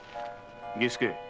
儀助。